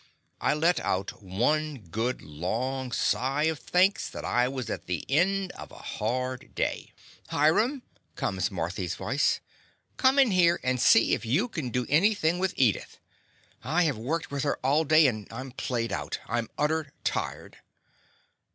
I let out one good, long sigh of thanks that I was at the end of a hard day. The Confessions of a Daddy "Hiram!'' comes Marthy's voice; "Come in here, and see if you can do anything with Edith. I have worked with her all day, and I 'm played out; I 'm utter tired."